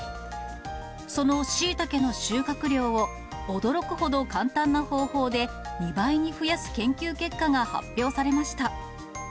そのシイタケの収穫量を、驚くほど簡単な方法で２倍に増やす研究結果が発表されました。